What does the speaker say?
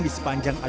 di sepanjang tahun